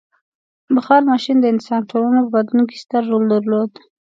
• بخار ماشین د انساني ټولنو په بدلون کې ستر رول درلود.